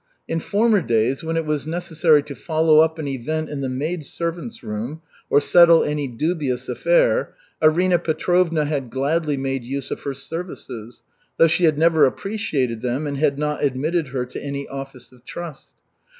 In former days, when it was necessary to follow up an event in the maid servants' room, or settle any dubious affair, Arina Petrovna had gladly made use of her services, though she had never appreciated them and had not admitted her to any office of trust.